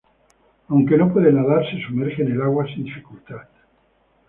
Aunque no pueda nadar, se sumerge en el agua sin dificultad.